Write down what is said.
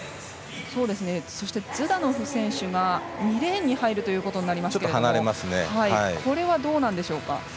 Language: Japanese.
そしてズダノフ選手が２レーンに入ることになりますがこれはどうなんでしょうか。